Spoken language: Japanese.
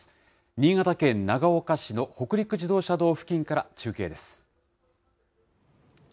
新潟県長岡市の北陸自動車道付近から中継です。